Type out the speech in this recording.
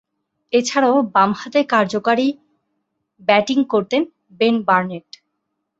এছাড়াও, বামহাতে কার্যকরী ব্যাটিং করতেন বেন বার্নেট।